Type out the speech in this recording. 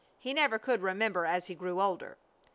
He never could remember as he grew older.